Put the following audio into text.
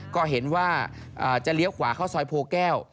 ก็เห็นว่าจะเลี้ยวขวาเข้าซอยโพแก้ว